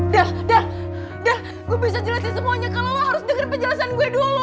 del del del gue bisa jelasin semuanya kalau lo harus dengerin penjelasan gue dulu